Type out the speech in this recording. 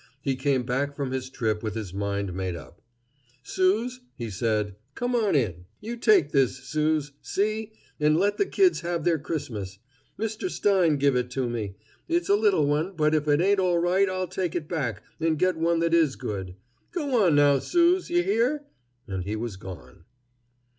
He came back from his trip with his mind made up. "Suse," he said, "come on in. You take this, Suse, see! an' let the kids have their Christmas. Mr. Stein give it to me. It's a little one, but if it ain't all right I'll take it back, and get one that is good. Go on, now, Suse, you hear?" And he was gone.